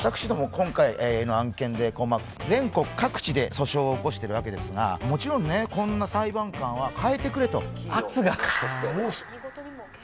今回の案件で全国各地で訴訟を起こしてるわけですがもちろんねこんな裁判官はかえてくれと忌避を申し立てております圧が！